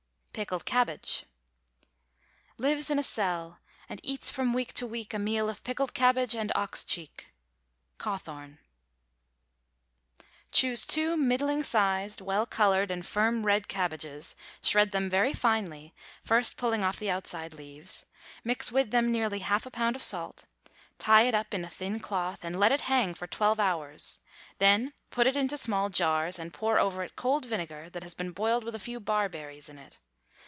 PICKLED CABBAGE. Lives in a cell, and eats from week to week A meal of pickled cabbage and ox cheek. CAWTHORNE. Choose two middling sized, well colored and firm red cabbages, shred them very finely, first pulling off the outside leaves; mix with them nearly half a pound of salt; tie it up in a thin cloth, and let it hang for twelve hours; then put it into small jars, and pour over it cold vinegar that has been boiled with a few barberries in it.